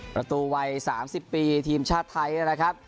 ประตูวัย๓๐ปีทีมชาติไทยนะครับ